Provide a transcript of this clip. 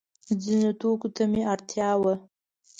ځینو توکو ته مې اړتیا وه.